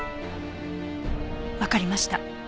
わかりました。